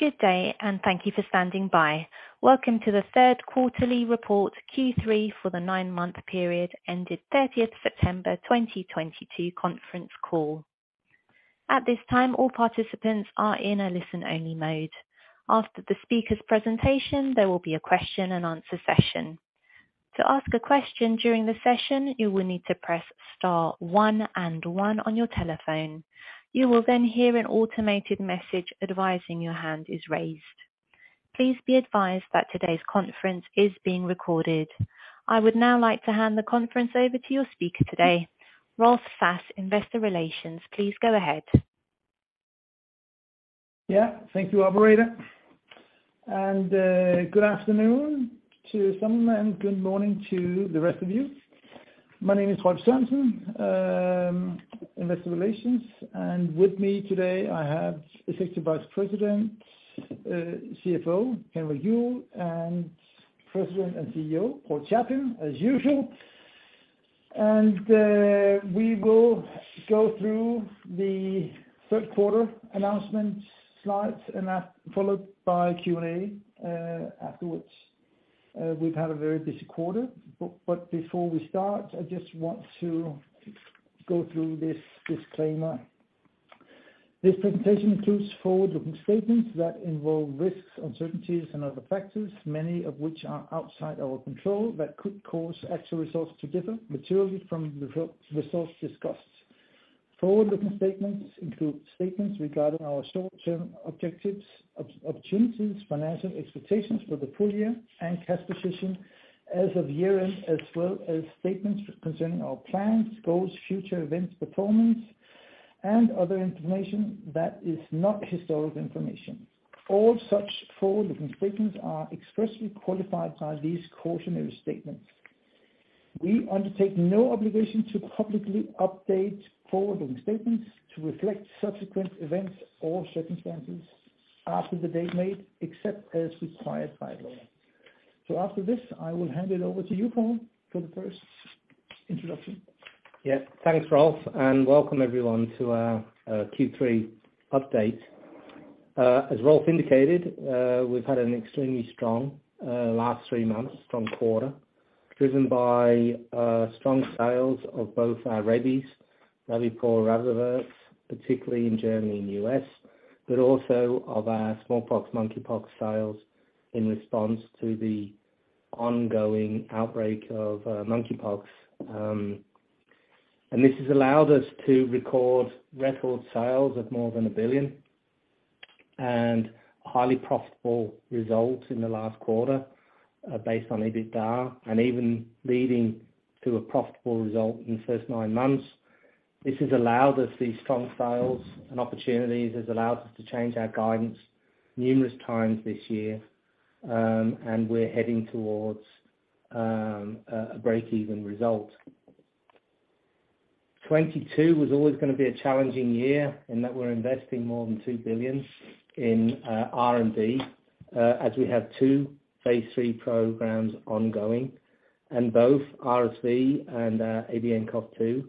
Good day, and thank you for standing by. Welcome to the third quarterly report, Q3 for the nine-month period ended 30th September 2022 conference call. At this time, all participants are in a listen-only mode. After the speaker's presentation, there will be a question and answer session. To ask a question during the session, you will need to press star one and one on your telephone. You will then hear an automated message advising your hand is raised. Please be advised that today's conference is being recorded. I would now like to hand the conference over to your speaker today, Rolf Sass, Investor Relations. Please go ahead. Yeah. Thank you, operator. Good afternoon to some of them, good morning to the rest of you. My name is Rolf Sørensen, Investor Relations, and with me today I have Executive Vice President, CFO, Henrik Juuel, and President and CEO, Paul Chaplin, as usual. We will go through the third quarter announcement slides, followed by Q&A afterwards. We've had a very busy quarter, but before we start, I just want to go through this disclaimer. This presentation includes forward-looking statements that involve risks, uncertainties, and other factors, many of which are outside our control that could cause actual results to differ materially from the results discussed. Forward-looking statements include statements regarding our short-term objectives, opportunities, financial expectations for the full year and cash position as of year-end, as well as statements concerning our plans, goals, future events, performance, and other information that is not historical information. All such forward-looking statements are expressly qualified by these cautionary statements. We undertake no obligation to publicly update forward-looking statements to reflect subsequent events or circumstances after the date made, except as required by law. After this, I will hand it over to you, Paul, for the first introduction. Yeah. Thanks, Rolf, and welcome everyone to our Q3 update. As Rolf indicated, we've had an extremely strong last three months, strong quarter, driven by strong sales of both our rabies, Rabipur and RabAvert, particularly in Germany and U.S., but also of our smallpox, monkeypox sales in response to the ongoing outbreak of monkeypox. This has allowed us to record sales of more than 1 billion and highly profitable results in the last quarter, based on EBITDA, and even leading to a profitable result in the first nine months. These strong sales and opportunities have allowed us to change our guidance numerous times this year, and we're heading towards a break-even result. 2022 was always gonna be a challenging year in that we're investing more than 2 billion in R&D as we have two phase III programs ongoing, and both RSV and ABNCoV2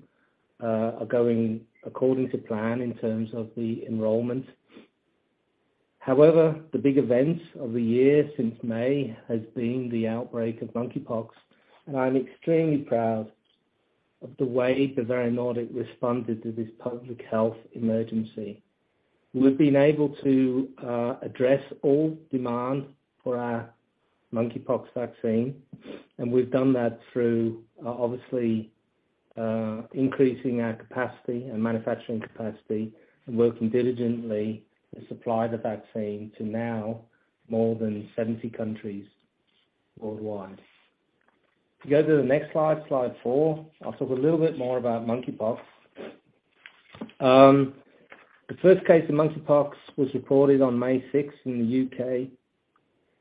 are going according to plan in terms of the enrollment. However, the big events of the year since May has been the outbreak of monkeypox, and I'm extremely proud of the way that Bavarian Nordic responded to this public health emergency. We've been able to address all demand for our monkeypox vaccine, and we've done that through obviously increasing our capacity and manufacturing capacity and working diligently to supply the vaccine to now more than 70 countries worldwide. If you go to the next slide four, I'll talk a little bit more about monkeypox. The first case of monkeypox was reported on May 6 in the U.K.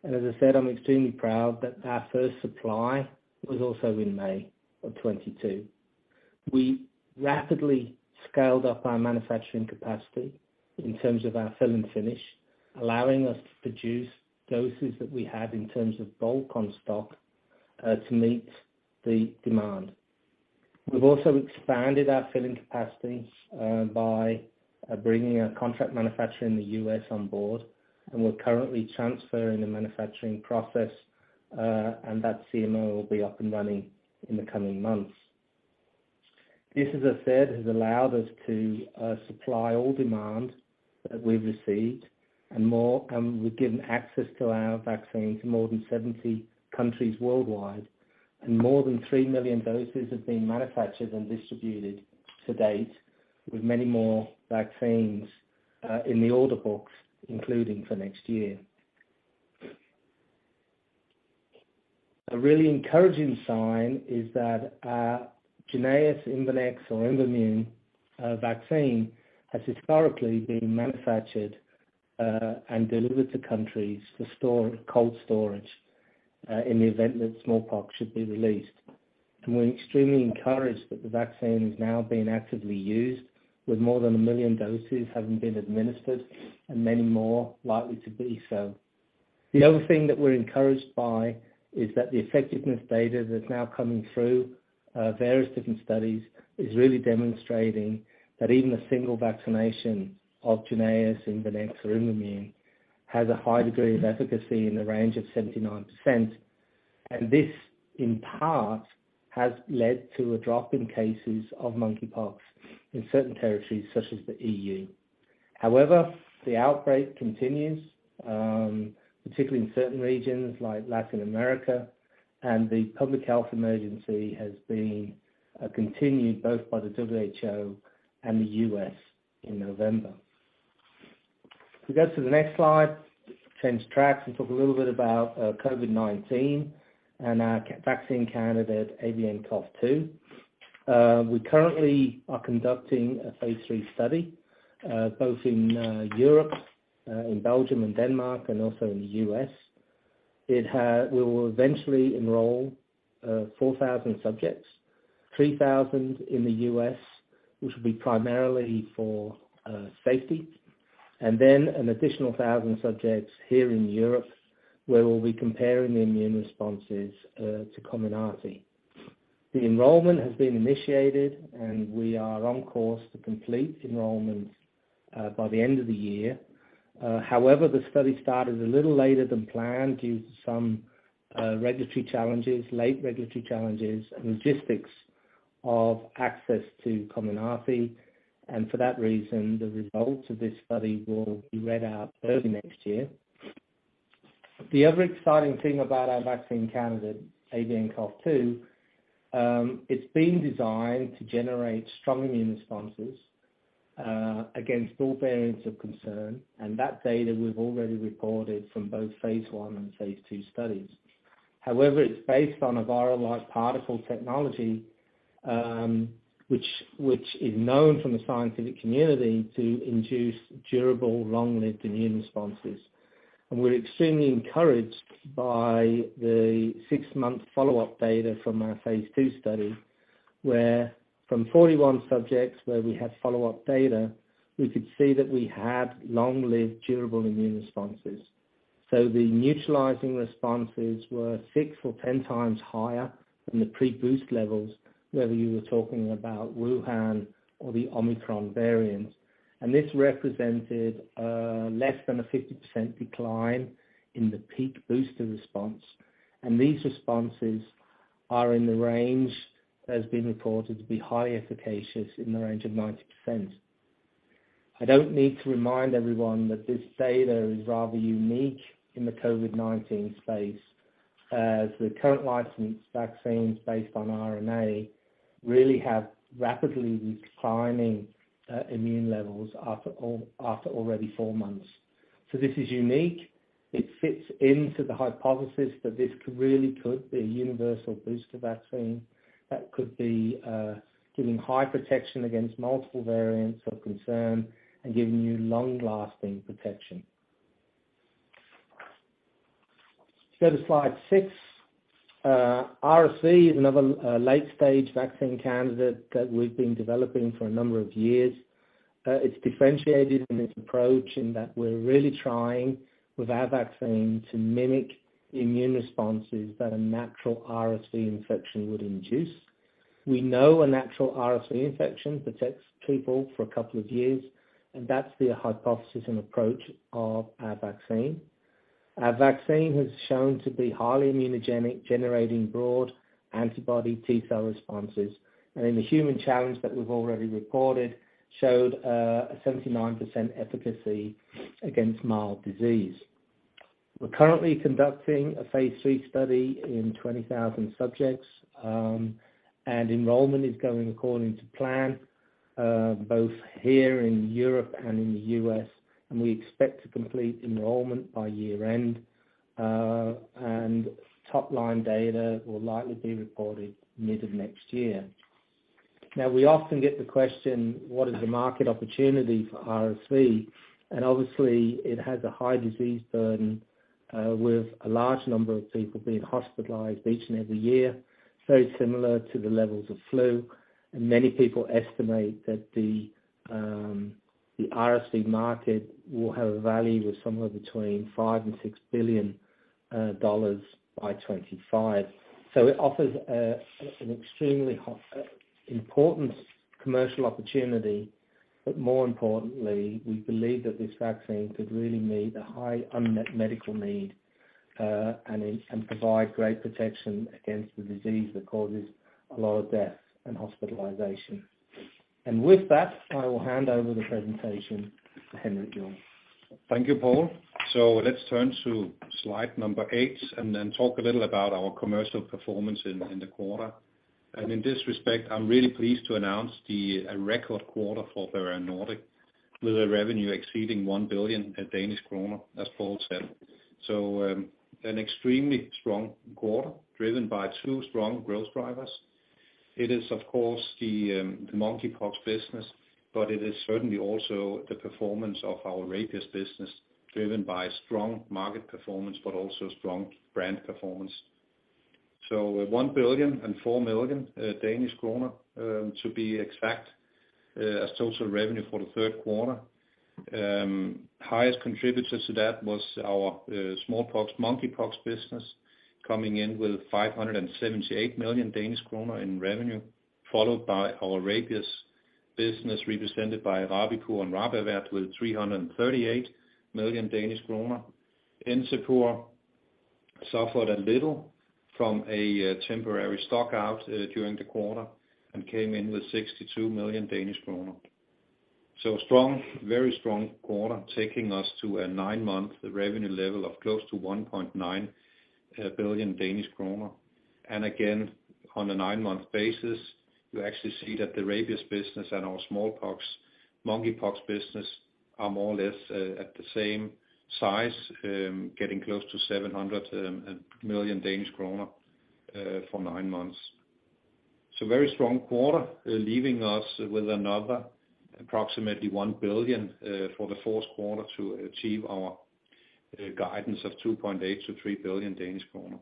As I said, I'm extremely proud that our first supply was also in May of 2022. We rapidly scaled up our manufacturing capacity in terms of our fill and finish, allowing us to produce doses that we had in terms of bulk on stock to meet the demand. We've also expanded our filling capacity by bringing a contract manufacturer in the U.S. on board, and we're currently transferring the manufacturing process and that CMO will be up and running in the coming months. This, as I said, has allowed us to supply all demand that we've received and more, and we've given access to our vaccine to more than 70 countries worldwide. More than 3 million doses have been manufactured and distributed to date, with many more vaccines in the order books, including for next year. A really encouraging sign is that our JYNNEOS, IMVANEX or IMVAMUNE, vaccine has historically been manufactured, and delivered to countries for cold storage, in the event that smallpox should be released. We're extremely encouraged that the vaccine is now being actively used with more than 1 million doses having been administered and many more likely to be so. The other thing that we're encouraged by is that the effectiveness data that's now coming through, various different studies is really demonstrating that even a single vaccination of JYNNEOS and the next Imvamune has a high degree of efficacy in the range of 79%. This, in part, has led to a drop in cases of monkeypox in certain territories such as the EU. However, the outbreak continues, particularly in certain regions like Latin America, and the public health emergency has been continued both by the WHO and the U.S. in November. If we go to the next slide, change tracks and talk a little bit about COVID-19 and our vaccine candidate, ABNCoV2. We currently are conducting a phase III study both in Europe in Belgium and Denmark, and also in the U.S. We will eventually enroll 4,000 subjects, 3,000 in the U.S., which will be primarily for safety, and then an additional 1,000 subjects here in Europe, where we'll be comparing the immune responses to Comirnaty. The enrollment has been initiated, and we are on course to complete enrollment by the end of the year. However, the study started a little later than planned due to some registry challenges, late regulatory challenges and logistics of access to Comirnaty. For that reason, the results of this study will be read out early next year. The other exciting thing about our vaccine candidate, ABNCoV2, it's been designed to generate strong immune responses against all variants of concern, and that data we've already reported from both phase I and phase II studies. However, it's based on a virus-like particle technology, which is known from the scientific community to induce durable, long-lived immune responses. We're extremely encouraged by the six-month follow-up data from our phase II study, where from 41 subjects where we had follow-up data, we could see that we had long-lived, durable immune responses. The neutralizing responses were six or 10x higher than the pre-boost levels, whether you were talking about Wuhan or the Omicron variants. This represented less than a 50% decline in the peak booster response, and these responses are in the range that has been reported to be highly efficacious in the range of 90%. I don't need to remind everyone that this data is rather unique in the COVID-19 space, as the current licensed vaccines based on RNA really have rapidly declining immune levels after already four months. This is unique. It fits into the hypothesis that this could really be a universal booster vaccine that could be giving high protection against multiple variants of concern and giving you long-lasting protection. Go to slide six. RSV is another late-stage vaccine candidate that we've been developing for a number of years. It's differentiated in its approach in that we're really trying with our vaccine to mimic immune responses that a natural RSV infection would induce. We know a natural RSV infection protects people for a couple of years, and that's the hypothesis and approach of our vaccine. Our vaccine has shown to be highly immunogenic, generating broad antibody T-cell responses. In the human challenge that we've already reported showed a 79% efficacy against mild disease. We're currently conducting a phase III study in 20,000 subjects, and enrollment is going according to plan, both here in Europe and in the US, and we expect to complete enrollment by year-end. Top-line data will likely be reported mid of next year. Now, we often get the question, "What is the market opportunity for RSV?" Obviously, it has a high disease burden, with a large number of people being hospitalized each and every year, very similar to the levels of flu. Many people estimate that the RSV market will have a value of somewhere between $5 billion and $6 billion by 2025. It offers an extremely important commercial opportunity. More importantly, we believe that this vaccine could really meet a high unmet medical need, and provide great protection against the disease that causes a lot of death and hospitalization. With that, I will hand over the presentation to Henrik Juuel. Thank you, Paul. Let's turn to slide number eight and then talk a little about our commercial performance in the quarter. In this respect, I'm really pleased to announce a record quarter for Bavarian Nordic, with revenue exceeding 1 billion Danish kroner, as Paul said. An extremely strong quarter driven by two strong growth drivers. It is, of course, the monkeypox business, but it is certainly also the performance of our Rabies business, driven by strong market performance but also strong brand performance. 1 billion and 4 million, to be exact, as total revenue for the third quarter. Highest contributor to that was our smallpox, monkeypox business, coming in with 578 million Danish kroner in revenue, followed by our rabies business represented by Rabipur and RabAvert with 338 million Danish kroner. Encepur suffered a little from a temporary stock-out during the quarter and came in with 62 million Danish kroner. A strong, very strong quarter taking us to a nine-month revenue level of close to 1.9 billion Danish kroner. Again, on a nine-month basis, you actually see that the rabies business and our smallpox, monkeypox business are more or less at the same size, getting close to 700 million Danish kroner for nine months. Very strong quarter, leaving us with another approximately 1 billion for the fourth quarter to achieve our guidance of 2.8 billion-3 billion Danish kroner.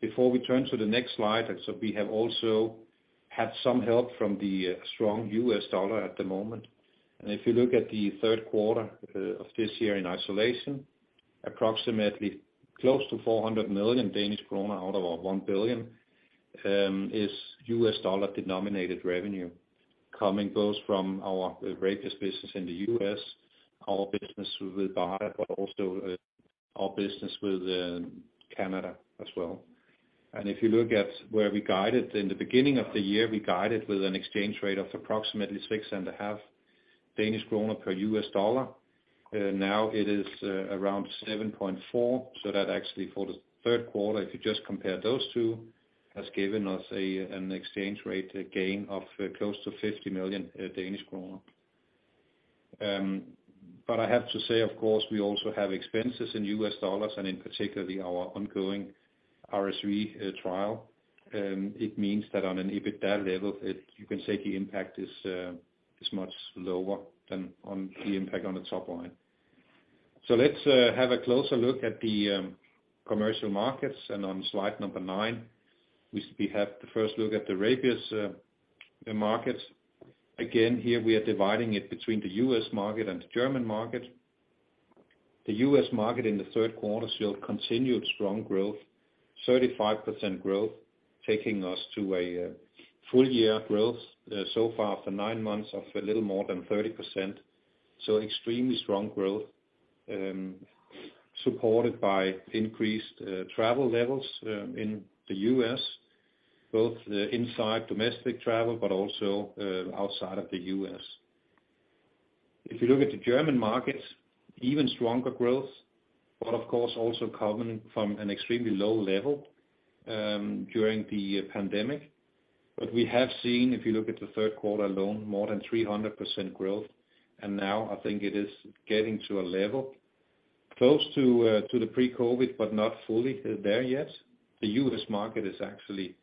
Before we turn to the next slide, we have also had some help from the strong U.S. dollar at the moment. If you look at the third quarter of this year in isolation, approximately close to 400 million Danish kroner out of our 1 billion is U.S. dollar-denominated revenue coming both from our rabies business in the U.S., our business with BARDA, but also our business with Canada as well. If you look at where we guided in the beginning of the year, we guided with an exchange rate of approximately 6.5 Danish kroner per U.S. dollar. Now it is around 7.4, so that actually for the third quarter, if you just compare those two, has given us an exchange rate gain of close to 50 million Danish kroner. But I have to say, of course, we also have expenses in U.S. dollars, and in particular our ongoing RSV trial. It means that on an EBITDA level, you can say the impact is much lower than the impact on the top line. Let's have a closer look at the commercial markets, and on slide nine, we have the first look at the rabies markets. Again, here we are dividing it between the U.S. market and the German market. The U.S. Market in the third quarter showed continued strong growth, 35% growth, taking us to a full year growth so far after nine months of a little more than 30%. Extremely strong growth, supported by increased travel levels in the U.S., both inside domestic travel, but also outside of the U.S. If you look at the German markets, even stronger growth, but of course also coming from an extremely low level during the pandemic. We have seen, if you look at the third quarter alone, more than 300% growth. Now I think it is getting to a level close to the pre-COVID, but not fully there yet. The U.S. market actually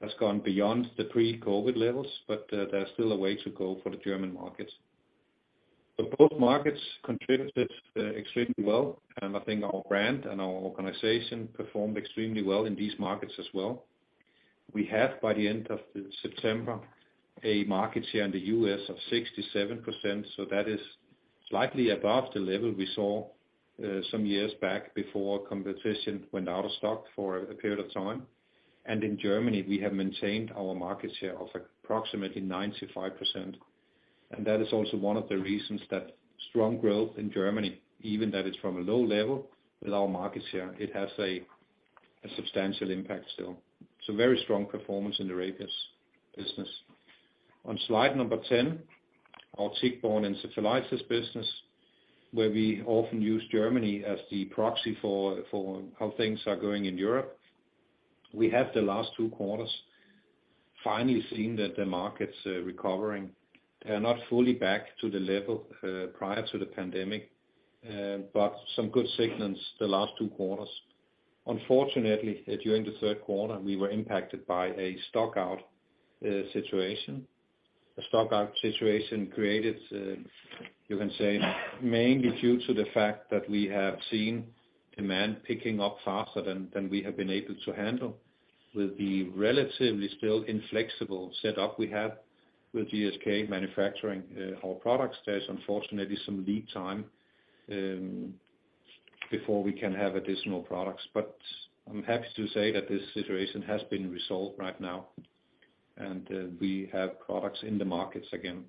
has gone beyond the pre-COVID levels, but there's still a way to go for the German markets. Both markets contributed extremely well, and I think our brand and our organization performed extremely well in these markets as well. We have, by the end of September, a market share in the U.S. of 67%, so that is slightly above the level we saw some years back before competition went out of stock for a period of time. In Germany, we have maintained our market share of approximately 95%. That is also one of the reasons that strong growth in Germany, even though it's from a low level with our market share, it has a substantial impact still. Very strong performance in the rabies business. On slide number 10, our tick-borne encephalitis business, where we often use Germany as the proxy for how things are going in Europe. We have in the last two quarters finally seen that the market's recovering. They are not fully back to the level prior to the pandemic, but some good signals in the last two quarters. Unfortunately, during the third quarter, we were impacted by a stockout situation. The stockout situation created, you can say mainly due to the fact that we have seen demand picking up faster than we have been able to handle with the relatively still inflexible setup we have with GSK manufacturing our products. There's unfortunately some lead time before we can have additional products. I'm happy to say that this situation has been resolved right now, and we have products in the markets again.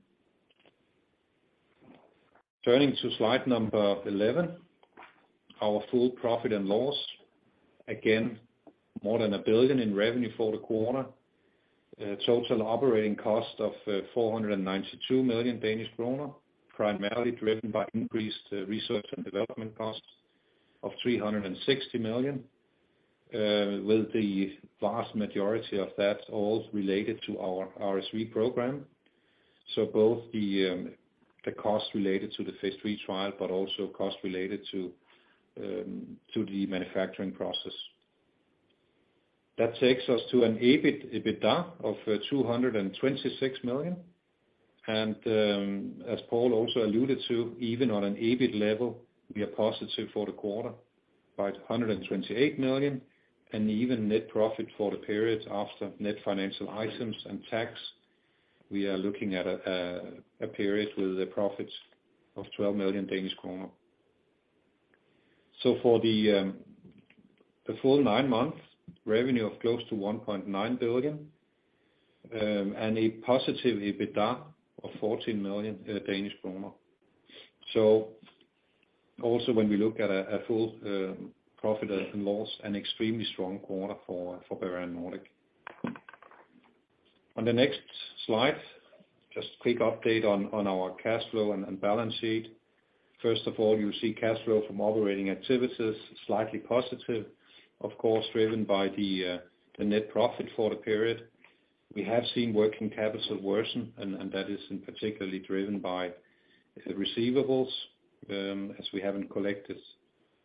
Turning to slide number 11, our full profit and loss. Again, more than 1 billion in revenue for the quarter. Total operating cost of 492 million Danish kroner, primarily driven by increased research and development costs of 360 million, with the vast majority of that all related to our RSV program. Both the costs related to the phase III trial, but also costs related to the manufacturing process. That takes us to an EBIT-EBITDA of 226 million. As Paul also alluded to, even on an EBIT level, we are positive for the quarter by 128 million, and even net profit for the period after net financial items and tax, we are looking at a period with profits of 12 million Danish kroner. For the full nine months, revenue of close to 1.9 billion and a positive EBITDA of 14 million Danish kroner. Also when we look at a full profit and loss, an extremely strong quarter for Bavarian Nordic. On the next slide, just a quick update on our cash flow and balance sheet. First of all, you see cash flow from operating activities slightly positive, of course, driven by the net profit for the period. We have seen working capital worsen and that is particularly driven by the receivables, as we haven't collected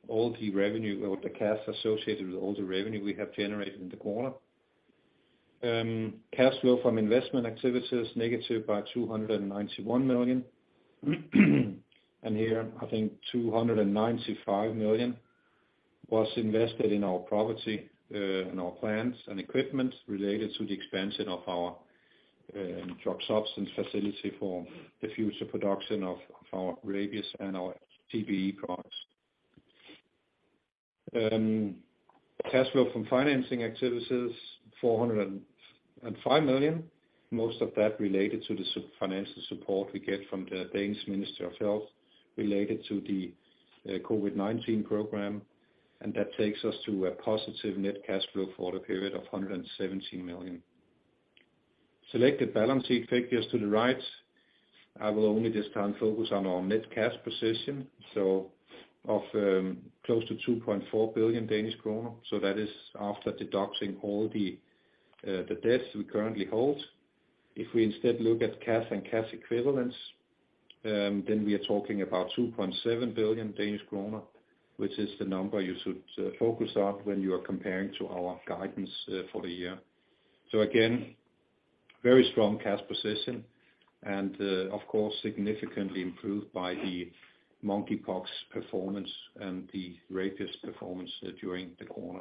all the revenue or the cash associated with all the revenue we have generated in the quarter. Cash flow from investment activities negative by 291 million. Here, I think 295 million was invested in our property in our plants and equipment related to the expansion of our drug substance facility for the future production of our rabies and our TBE products. Cash flow from financing activities, 405 million, most of that related to the financial support we get from the Danish Ministry of Health related to the COVID-19 program, and that takes us to a positive net cash flow for the period of 117 million. Selected balance sheet figures to the right. I will only this time focus on our net cash position, so close to 2.4 billion Danish kroner, so that is after deducting all the debts we currently hold. If we instead look at cash and cash equivalents, then we are talking about 2.7 billion Danish kroner, which is the number you should focus on when you are comparing to our guidance for the year. Again, very strong cash position and, of course, significantly improved by the monkeypox performance and the rabies performance during the quarter.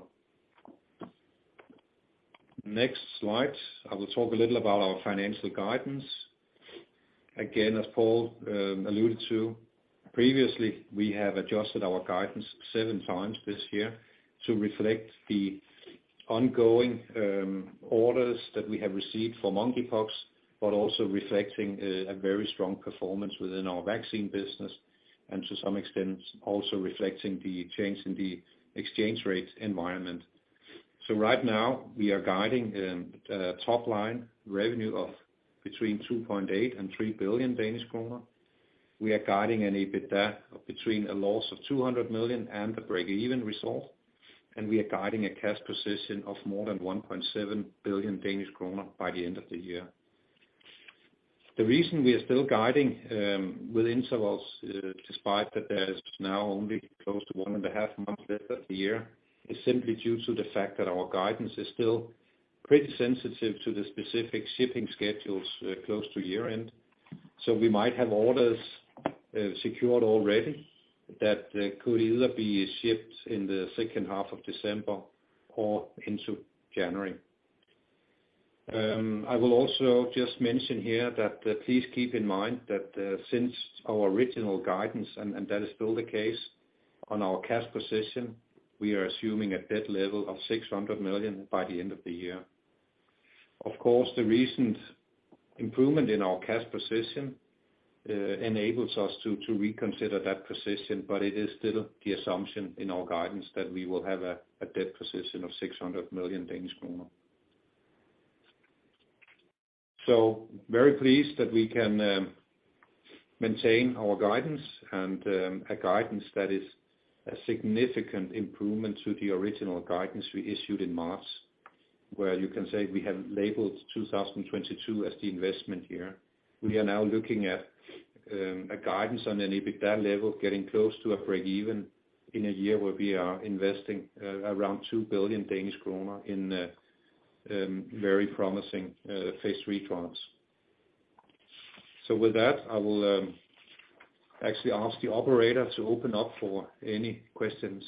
Next slide, I will talk a little about our financial guidance. Again, as Paul alluded to previously, we have adjusted our guidance 7x this year to reflect the ongoing orders that we have received for monkeypox but also reflecting a very strong performance within our vaccine business and to some extent also reflecting the change in the exchange rate environment. Right now we are guiding top line revenue of between 2.8 billion and 3 billion Danish kroner. We are guiding an EBITDA between a loss of 200 million and a breakeven result, and we are guiding a cash position of more than 1.7 billion Danish kroner by the end of the year. The reason we are still guiding with intervals, despite that there is now only close to 1.5 months left of the year, is simply due to the fact that our guidance is still pretty sensitive to the specific shipping schedules close to year-end. We might have orders secured already that could either be shipped in the second half of December or into January. I will also just mention here that please keep in mind that since our original guidance, and that is still the case on our cash position, we are assuming a debt level of 600 million by the end of the year. Of course, the recent improvement in our cash position enables us to reconsider that position, but it is still the assumption in our guidance that we will have a debt position of 600 million Danish kroner. Very pleased that we can maintain our guidance and a guidance that is a significant improvement to the original guidance we issued in March, where you can say we have labeled 2022 as the investment year. We are now looking at a guidance on an EBITDA level getting close to a breakeven in a year where we are investing around 2 billion Danish kroner in very promising phase III trials. With that, I will actually ask the operator to open up for any questions.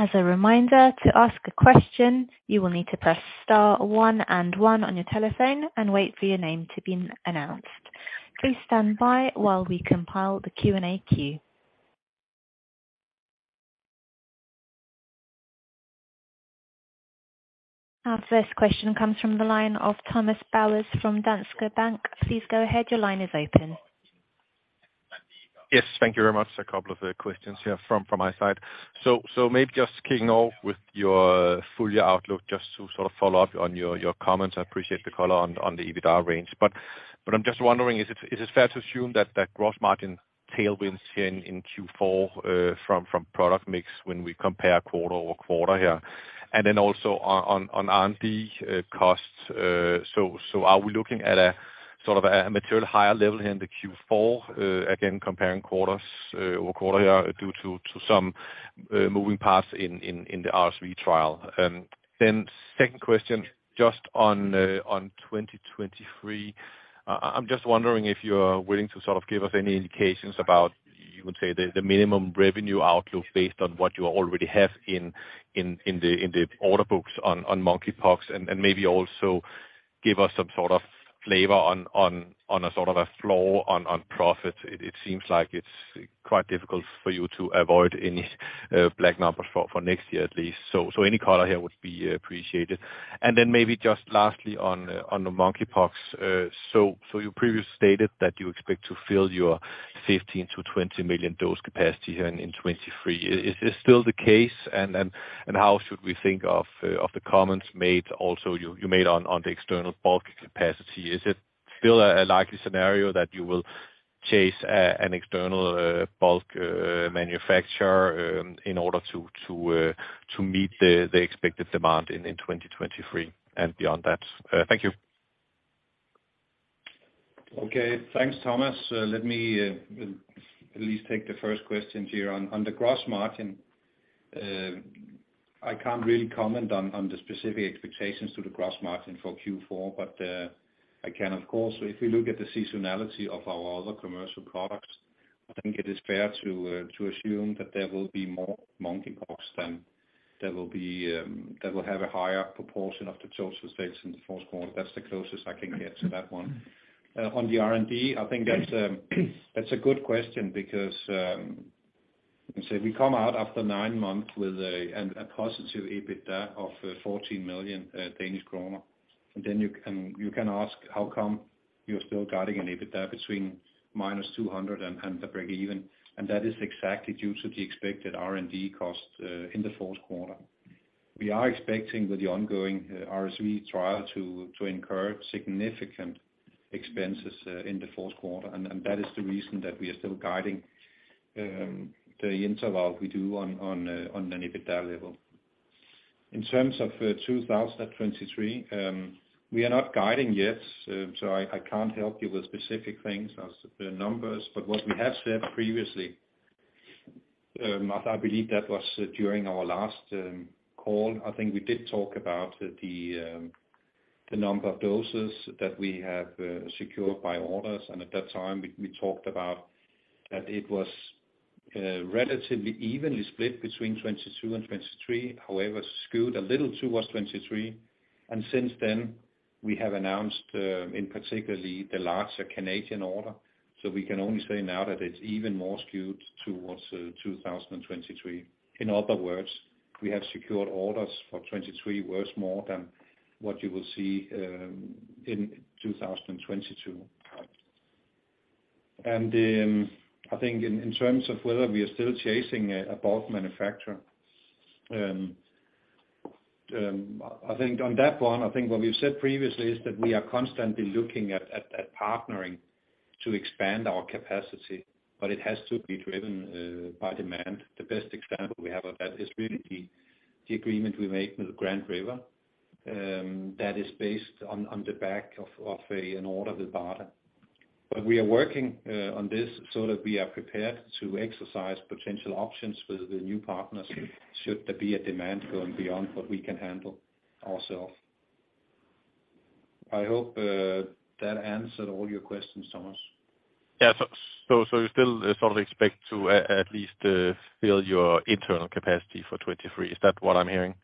As a reminder, to ask a question, you will need to press star one and one on your telephone and wait for your name to be announced. Please stand by while we compile the Q&A queue. Our first question comes from the line of Thomas Bowers from Danske Bank. Please go ahead. Your line is open. Yes, thank you very much. A couple of questions here from my side. So maybe just kicking off with your full year outlook, just to sort of follow up on your comments. I appreciate the color on the EBITDA range. I'm just wondering, is it fair to assume that gross margin tailwinds here in Q4 from product mix when we compare quarter-over-quarter here? Then also on R&D costs. Are we looking at a sort of materially higher level here in Q4 again, comparing quarter-over-quarter due to some moving parts in the RSV trial? Second question, just on 2023. I'm just wondering if you're willing to sort of give us any indications about the minimum revenue outlook based on what you already have in the order books on monkeypox, and maybe also give us some sort of flavor on a sort of a flow on profit. It seems like it's quite difficult for you to avoid any black numbers for next year, at least. So any color here would be appreciated. Then maybe just lastly on the monkeypox. So you previously stated that you expect to fill your 15-20 million dose capacity here in 2023. Is this still the case? And how should we think of the comments made, also you made on the external bulk capacity? Is it still a likely scenario that you will chase an external bulk manufacturer in order to meet the expected demand in 2023 and beyond that? Thank you. Okay. Thanks, Thomas Bowers. Let me at least take the first question here. On the gross margin, I can't really comment on the specific expectations to the gross margin for Q4, but I can of course, if you look at the seasonality of our other commercial products, I think it is fair to assume that there will be more monkeypox than there will be there will have a higher proportion of the total sales in the fourth quarter. That's the closest I can get to that one. On the R&D, I think that's a good question because, let's say we come out after nine months with a positive EBITDA of 14 million Danish kroner, and then you can ask how come you're still guiding an EBITDA between -200 million and the breakeven, and that is exactly due to the expected R&D costs in the fourth quarter. We are expecting with the ongoing RSV trial to incur significant expenses in the fourth quarter. That is the reason that we are still guiding the interval we do on an EBITDA level. In terms of 2023, we are not guiding yet, so I can't help you with specific things as the numbers. What we have said previously, I believe that was during our last call, I think we did talk about the number of doses that we have secured by orders. At that time we talked about that it was relatively evenly split between 2022 and 2023, however, skewed a little towards 2023. Since then, we have announced in particular the larger Canadian order. We can only say now that it's even more skewed towards 2023. In other words, we have secured orders for 2023 worth more than what you will see in 2022. I think in terms of whether we are still chasing a bulk manufacturer, I think on that one, what we've said previously is that we are constantly looking at partnering to expand our capacity, but it has to be driven by demand. The best example we have of that is really the agreement we made with Grand River, that is based on the back of an order with BARDA. We are working on this so that we are prepared to exercise potential options with the new partners should there be a demand going beyond what we can handle ourselves. I hope that answered all your questions, Thomas. Yeah. You still sort of expect to at least fill your internal capacity for 2023? Is that what I'm hearing?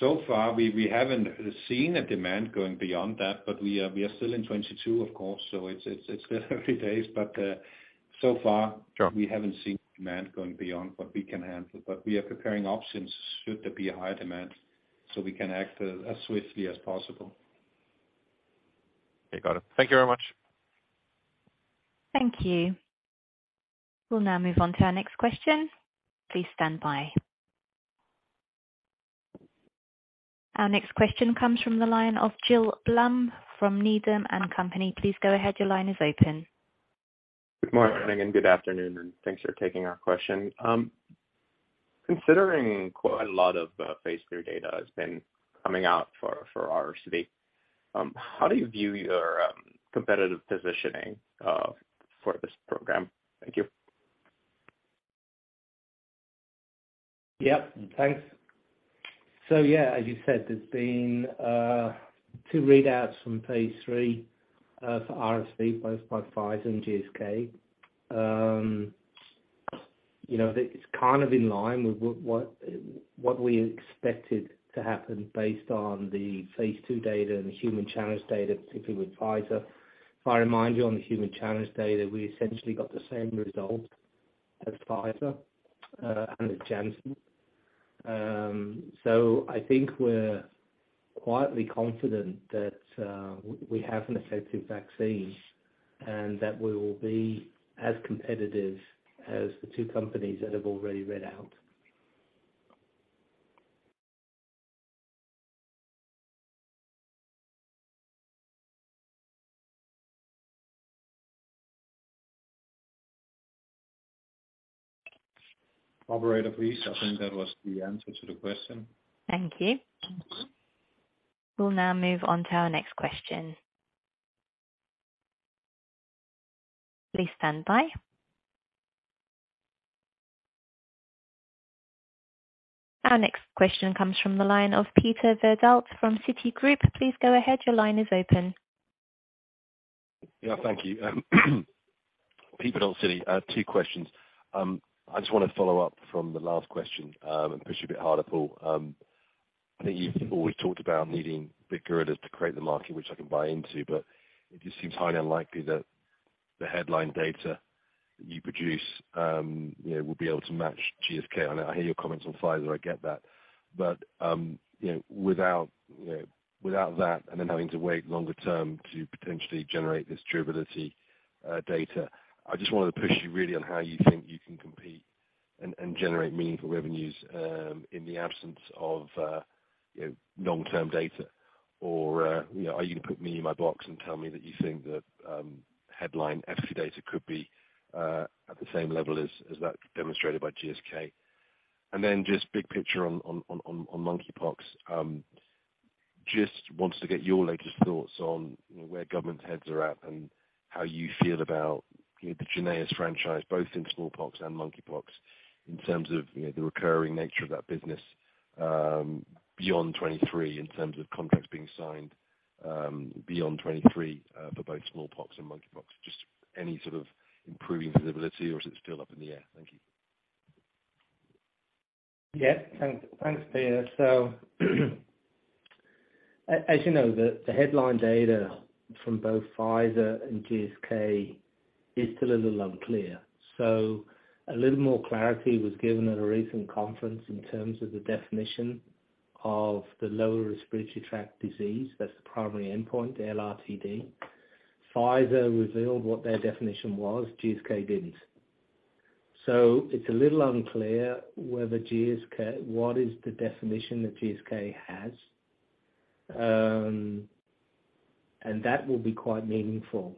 So far we haven't seen a demand going beyond that, but we are still in 2022, of course, so it's early days, but so far. Sure. We haven't seen demand going beyond what we can handle. We are preparing options should there be a higher demand, so we can act as swiftly as possible. Okay. Got it. Thank you very much. Thank you. We'll now move on to our next question. Please stand by. Our next question comes from the line of Gil Blum from Needham & Company. Please go ahead. Your line is open. Good morning, and good afternoon, and thanks for taking our question. Considering quite a lot of phase III data has been coming out for RSV, how do you view your competitive positioning for this program? Thank you. Yep. Thanks. Yeah, as you said, there's been two readouts from phase III for RSV, both by Pfizer and GSK. You know, it's kind of in line with what we expected to happen based on the phase II data and the human challenge data, particularly with Pfizer. If I remind you on the human challenge data, we essentially got the same result as Pfizer and as Janssen. I think we're quietly confident that we have an effective vaccine and that we will be as competitive as the two companies that have already read out. Operator, please. I think that was the answer to the question. Thank you. We'll now move on to our next question. Please stand by. Our next question comes from the line of Peter Verdult from Citigroup. Please go ahead. Your line is open. Yeah, thank you. Peter Verdult, Citi. I have two questions. I just wanna follow up from the last question, and push a bit harder, Paul. I think you've always talked about needing big gorillas to create the market, which I can buy into, but it just seems highly unlikely that the headline data you produce, you know, will be able to match GSK. I know. I hear your comments on Pfizer, I get that. But you know, without you know, without that and then having to wait longer term to potentially generate this durability data, I just wanted to push you really on how you think you can compete and generate meaningful revenues, in the absence of, you know, long-term data. You know, are you gonna put me in my box and tell me that you think that headline efficacy data could be at the same level as that demonstrated by GSK. Just big picture on monkeypox. Just wanted to get your latest thoughts on, you know, where government heads are at and how you feel about the JYNNEOS franchise, both in smallpox and monkeypox, in terms of, you know, the recurring nature of that business, beyond 2023, in terms of contracts being signed, beyond 2023, for both smallpox and monkeypox. Just any sort of improving visibility or is it still up in the air? Thank you. Yeah. Thanks, Peter. As you know, the headline data from both Pfizer and GSK is still a little unclear. A little more clarity was given at a recent conference in terms of the definition of the lower respiratory tract disease. That's the primary endpoint, LRTD. Pfizer revealed what their definition was, GSK didn't. It's a little unclear whether GSK has. What is the definition that GSK has? And that will be quite meaningful.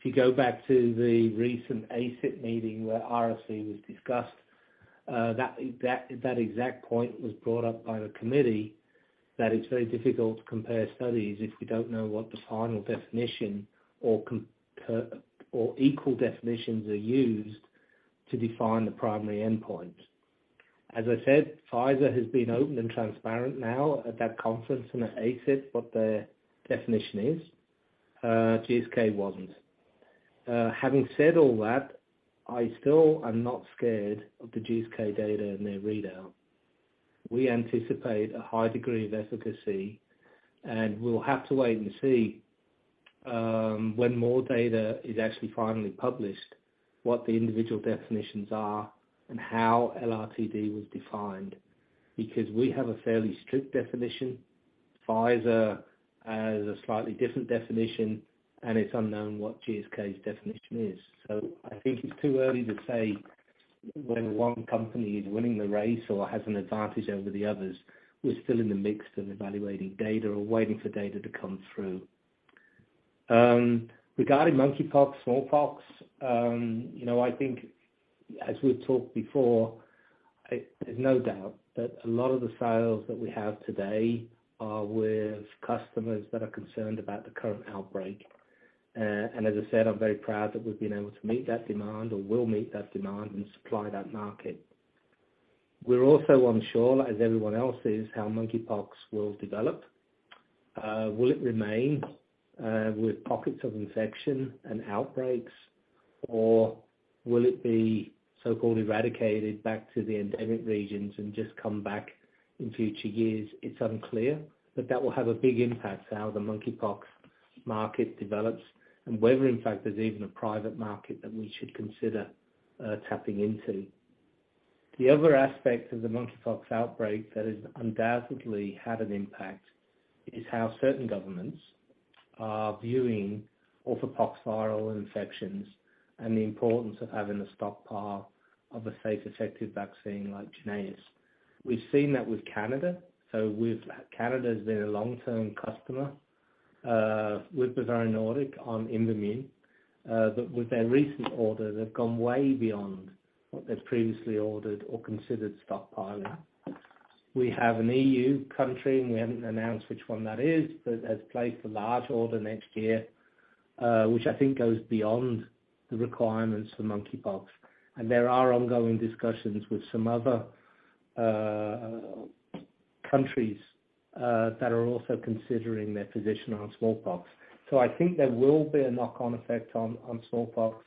If you go back to the recent ACIP meeting where RSV was discussed, that exact point was brought up by the committee that it's very difficult to compare studies if we don't know what the final definition or comparable or equal definitions are used to define the primary endpoint. As I said, Pfizer has been open and transparent now at that conference and at ACIP, what their definition is. GSK wasn't. Having said all that, I still am not scared of the GSK data and their readout. We anticipate a high degree of efficacy, and we'll have to wait and see when more data is actually finally published, what the individual definitions are and how LRTD was defined. Because we have a fairly strict definition. Pfizer has a slightly different definition, and it's unknown what GSK's definition is. I think it's too early to say when one company is winning the race or has an advantage over the others. We're still in the mix of evaluating data or waiting for data to come through. Regarding monkeypox, smallpox, you know, I think as we've talked before, there's no doubt that a lot of the sales that we have today are with customers that are concerned about the current outbreak. As I said, I'm very proud that we've been able to meet that demand or will meet that demand and supply that market. We're also unsure, as everyone else is, how monkeypox will develop. Will it remain, with pockets of infection and outbreaks, or will it be so-called eradicated back to the endemic regions and just come back in future years? It's unclear, but that will have a big impact to how the monkeypox market develops and whether in fact there's even a private market that we should consider tapping into. The other aspect of the monkeypox outbreak that has undoubtedly had an impact is how certain governments are viewing orthopoxviral infections and the importance of having a stockpile of a safe, effective vaccine like JYNNEOS. We've seen that with Canada. With Canada's been a long-term customer with Bavarian Nordic on IMVAMUNE. But with their recent order, they've gone way beyond what they've previously ordered or considered stockpiling. We have an EU country, and we haven't announced which one that is, but has placed a large order next year, which I think goes beyond the requirements for monkeypox. There are ongoing discussions with some other countries that are also considering their position on smallpox. I think there will be a knock on effect on smallpox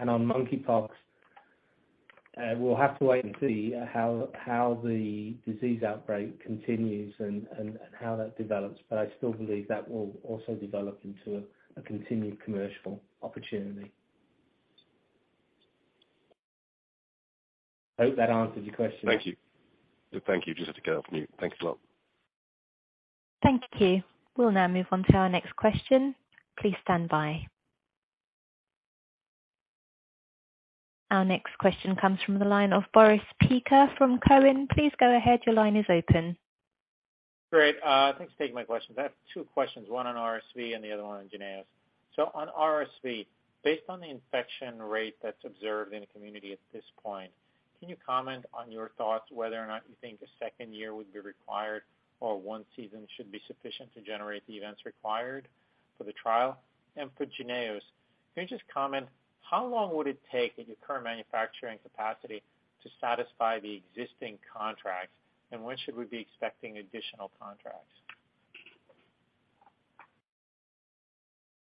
and on monkeypox. We'll have to wait and see how the disease outbreak continues and how that develops. I still believe that will also develop into a continued commercial opportunity. Hope that answered your question. Thank you. Thank you. Just had to get off mute. Thanks a lot. Thank you. We'll now move on to our next question. Please stand by. Our next question comes from the line of Boris Peaker from Cowen. Please go ahead. Your line is open. Great. Thanks for taking my questions. I have two questions, one on RSV and the other one on JYNNEOS. On RSV, based on the infection rate that's observed in the community at this point, can you comment on your thoughts whether or not you think a second year would be required or one season should be sufficient to generate the events required for the trial? For JYNNEOS, can you just comment how long would it take at your current manufacturing capacity to satisfy the existing contracts and when should we be expecting additional contracts?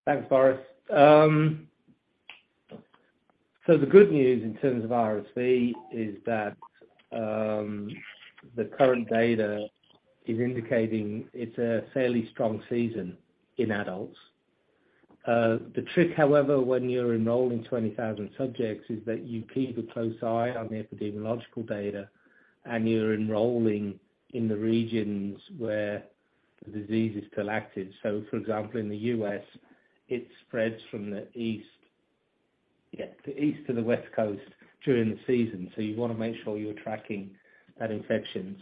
Thanks, Boris. The good news in terms of RSV is that the current data is indicating it's a fairly strong season in adults. The trick, however, when you're enrolling 20,000 subjects is that you keep a close eye on the epidemiological data, and you're enrolling in the regions where the disease is still active. For example, in the U.S., it spreads from the East to the West Coast during the season. You wanna make sure you're tracking that infection.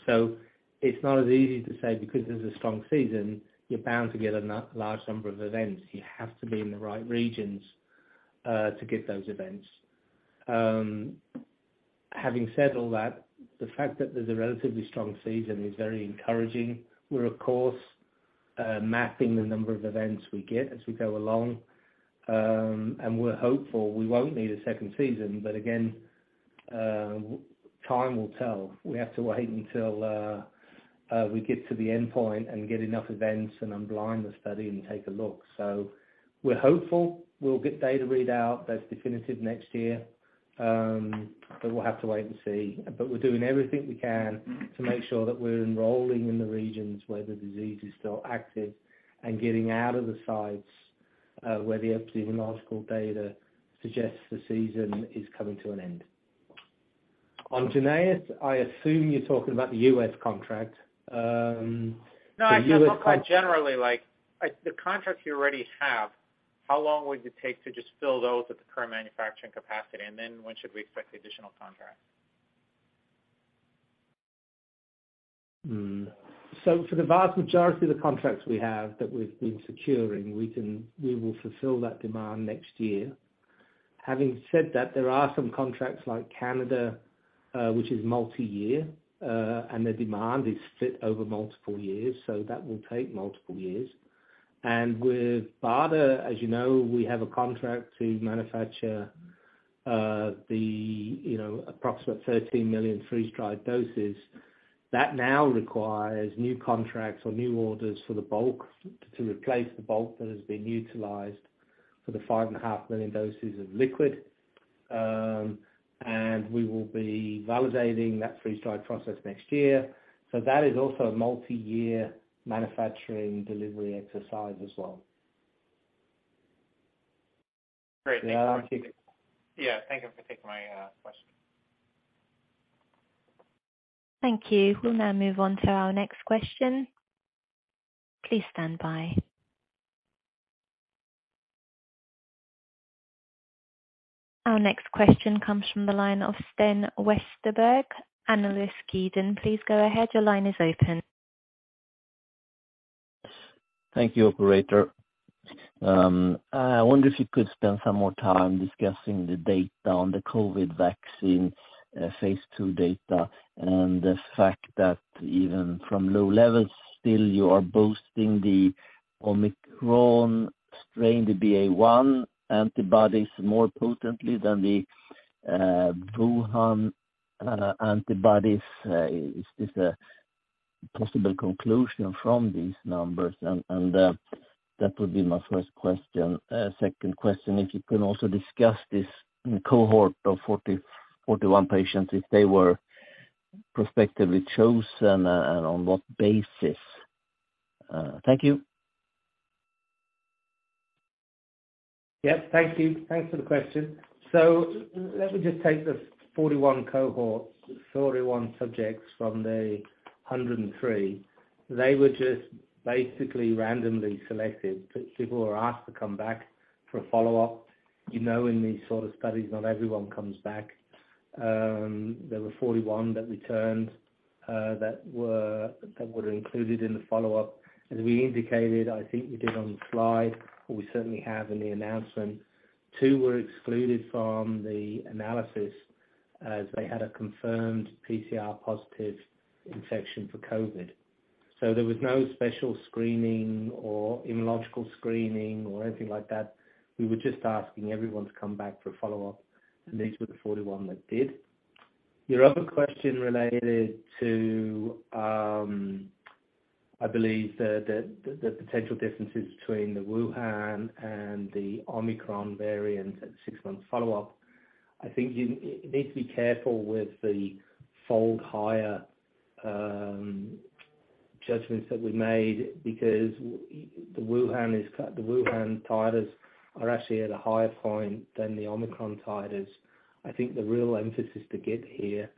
It's not as easy to say because there's a strong season, you're bound to get a large number of events. You have to be in the right regions to get those events. Having said all that, the fact that there's a relatively strong season is very encouraging. We're of course mapping the number of events we get as we go along. We're hopeful we won't need a second season. Again, time will tell. We have to wait until we get to the endpoint and get enough events and unblind the study and take a look. We're hopeful we'll get data readout that's definitive next year. We'll have to wait and see. We're doing everything we can to make sure that we're enrolling in the regions where the disease is still active and getting out of the sites where the epidemiological data suggests the season is coming to an end. On JYNNEOS, I assume you're talking about the U.S. contract. The U.S.- No, I guess more generally, like the contracts you already have, how long would it take to just fill those at the current manufacturing capacity? When should we expect additional contracts? For the vast majority of the contracts we have that we've been securing, we will fulfill that demand next year. Having said that, there are some contracts like Canada, which is multi-year, and the demand is split over multiple years, so that will take multiple years. With BARDA, as you know, we have a contract to manufacture the, you know, approximate 13 million freeze-dried doses. That now requires new contracts or new orders for the bulk to replace the bulk that has been utilized for the 5.5 million doses of liquid. We will be validating that freeze-dried process next year. That is also a multi-year manufacturing delivery exercise as well. Great. Yeah. Yeah. Thank you for taking my question. Thank you. We'll now move on to our next question. Please stand by. Our next question comes from the line of Sten Westerberg, Analysguiden. Please go ahead. Your line is open. Thank you, operator. I wonder if you could spend some more time discussing the data on the COVID vaccine, phase II data, and the fact that even from low levels still, you are boosting the Omicron strain, the BA.1 antibodies, more potently than the Wuhan antibodies. Is this a possible conclusion from these numbers? That would be my first question. Second question, if you can also discuss this cohort of 41 patients, if they were prospectively chosen, and on what basis. Thank you. Yep. Thank you. Thanks for the question. Let me just take the 41 cohort, 41 subjects from the 103. They were just basically randomly selected. People were asked to come back for a follow-up. You know, in these sort of studies, not everyone comes back. There were 41 that returned, that were included in the follow-up. As we indicated, I think we did on the slide, we certainly have in the announcement, two were excluded from the analysis as they had a confirmed PCR positive infection for COVID-19. There was no special screening or immunological screening or anything like that. We were just asking everyone to come back for follow-up, and these were the 41 that did. Your other question related to, I believe the potential differences between the Wuhan and the Omicron variants at the six-month follow-up. I think you need to be careful with the fold higher judgments that we made because the Wuhan titers are actually at a higher point than the Omicron titers. I think the real emphasis to get here is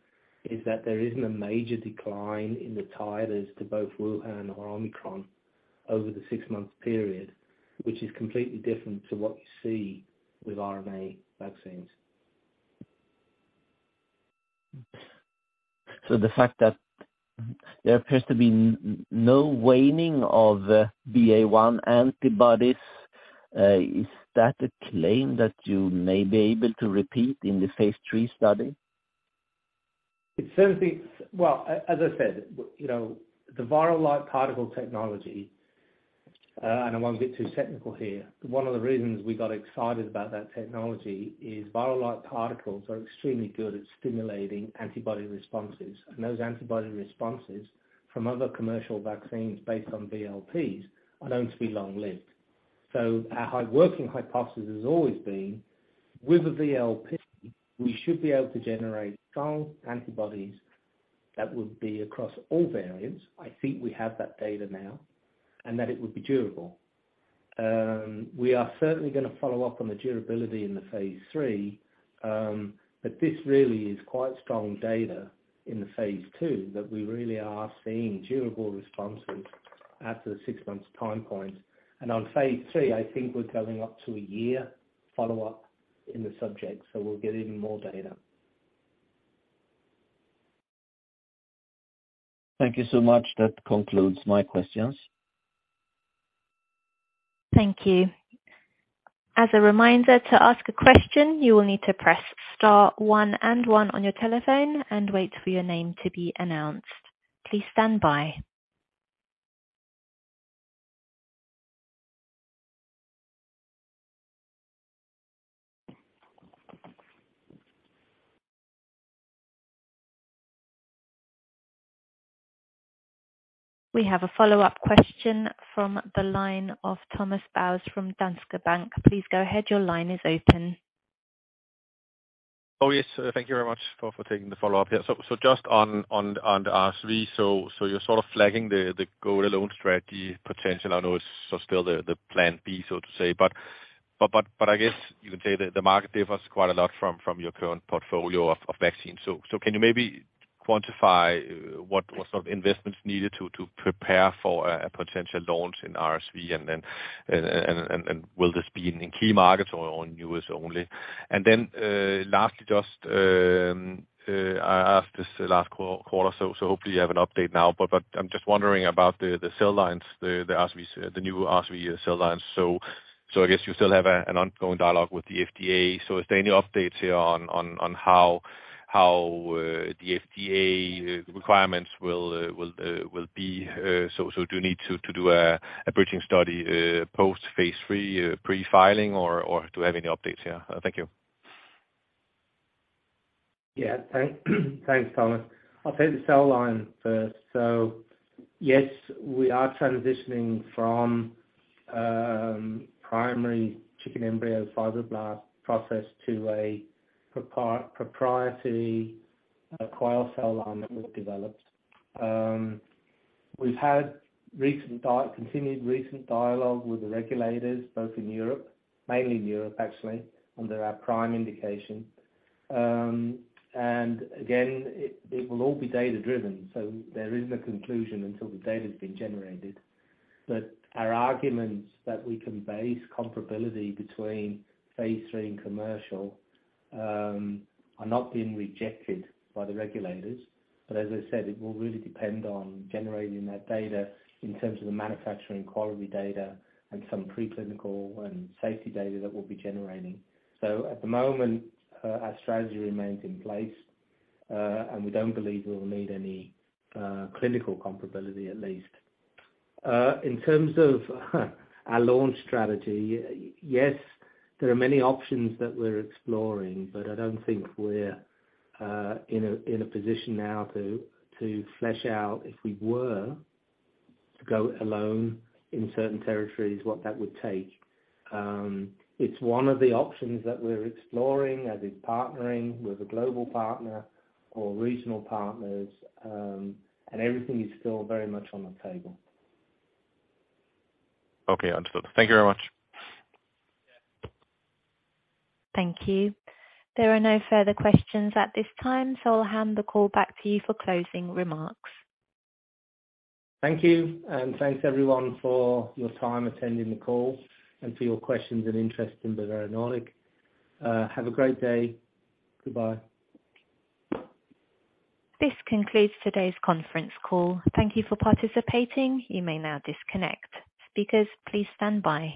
that there isn't a major decline in the titers to both Wuhan or Omicron over the six-month period, which is completely different to what you see with RNA vaccines. The fact that there appears to be no waning of the BA.1 antibodies, is that a claim that you may be able to repeat in the phase III study? As I said, you know, the virus-like particle technology, and I won't get too technical here. One of the reasons we got excited about that technology is virus-like particles are extremely good at stimulating antibody responses, and those antibody responses from other commercial vaccines based on VLPs are known to be long-lived. Our working hypothesis has always been with a VLP, we should be able to generate strong antibodies that would be across all variants. I think we have that data now and that it would be durable. We are certainly gonna follow up on the durability in the phase III. This really is quite strong data in the phase II that we really are seeing durable responses after the six-month time point. On phase III, I think we're going up to a year follow-up in the subject, so we'll get even more data. Thank you so much. That concludes my questions. Thank you. As a reminder, to ask a question, you will need to press star one and one on your telephone and wait for your name to be announced. Please stand by. We have a follow-up question from the line of Thomas Bowers from Danske Bank. Please go ahead. Your line is open. Oh, yes. Thank you very much for taking the follow-up here. So just on RSV. So you're sort of flagging the go it alone strategy potential. I know it's still the plan B, so to say. But I guess you can say the market differs quite a lot from your current portfolio of vaccines. So can you maybe quantify what sort of investments needed to prepare for a potential launch in RSV? And then will this be in key markets or in U.S. only? And then lastly, just I asked this last quarter, so hopefully you have an update now. But I'm just wondering about the cell lines, the RSV, the new RSV cell lines. I guess you still have an ongoing dialogue with the FDA. Is there any updates here on how the FDA requirements will be? Do you need to do a bridging study post-phase III pre-filing, or do you have any updates here? Thank you. Yeah. Thanks, Thomas. I'll take the cell line first. Yes, we are transitioning from primary chicken embryo fibroblast process to a proprietary quail cell line that we've developed. We've had continued recent dialogue with the regulators, both in Europe, mainly in Europe actually, under our PRIME designation. Again, it will all be data-driven, so there is no conclusion until the data's been generated. Our arguments that we can base comparability between phase III and commercial are not being rejected by the regulators. As I said, it will really depend on generating that data in terms of the manufacturing quality data and some preclinical and safety data that we'll be generating. At the moment, our strategy remains in place, and we don't believe we'll need any clinical comparability, at least. In terms of our launch strategy, yes, there are many options that we're exploring, but I don't think we're in a position now to flesh out if we were to go it alone in certain territories, what that would take. It's one of the options that we're exploring as is partnering with a global partner or regional partners, and everything is still very much on the table. Okay, understood. Thank you very much. Thank you. There are no further questions at this time, so I'll hand the call back to you for closing remarks. Thank you. Thanks, everyone, for your time attending the call and for your questions and interest in Bavarian Nordic. Have a great day. Goodbye. This concludes today's conference call. Thank you for participating. You may now disconnect. Speakers, please stand by.